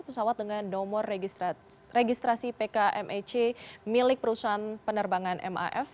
pesawat dengan nomor registrasi pkmec milik perusahaan penerbangan maf